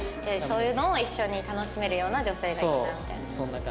そういうのを一緒に楽しめるような女性がいいなみたいな。